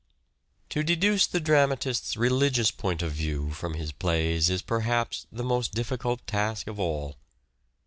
To deduce the dramatist's religious point of view from his plays is perhaps the most difficult task of all.